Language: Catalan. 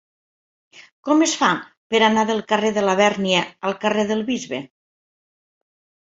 Com es fa per anar del carrer de Labèrnia al carrer del Bisbe?